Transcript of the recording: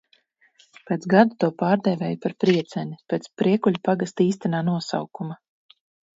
"Pēc gada to pārdēvēja par "Prieceni" – "pēc Priekuļu pagasta īstenā nosaukuma"."